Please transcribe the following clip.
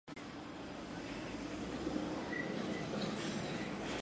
属于青藏高原。